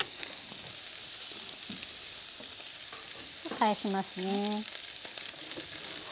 返しますね。